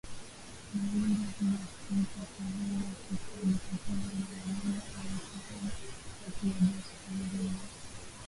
wa wimbo huo Sintofahamu zikajitokeza za nani aonwe kati ya Jose Chameleone wa